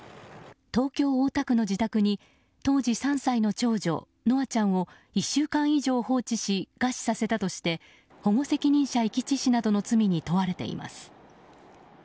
東京・大田区の自宅に当時３歳の長女・稀華ちゃんを１週間以上放置し餓死させたとして保護責任者遺棄致死などの罪に問われています。